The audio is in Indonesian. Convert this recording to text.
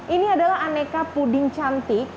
ini adalah aneka puding cantik